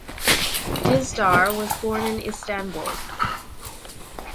Dizdar was born in Istanbul.